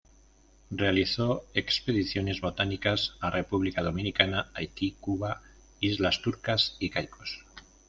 Realizó expediciones botánicas a República Dominicana, Haití, Cuba, Islas Turcas y Caicos.